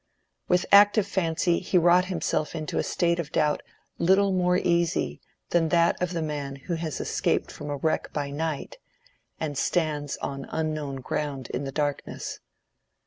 With active fancy he wrought himself into a state of doubt little more easy than that of the man who has escaped from wreck by night and stands on unknown ground in the darkness.